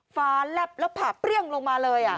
ฟ้าแลบแล้วผ่าเปรี้ยงลงมาเลย